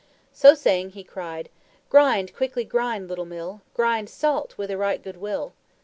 So saying he cried, "Grind, quickly grind, little Mill, Grind SALT with a right good will!"